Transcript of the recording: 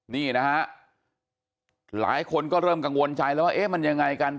นี่นะฮะหลายคนก็เริ่มกังวลใจแล้วว่าเอ๊ะมันยังไงกัน